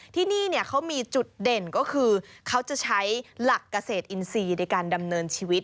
ที่นี่เขามีจุดเด่นก็คือเขาจะใช้หลักเกษตรอินทรีย์ในการดำเนินชีวิต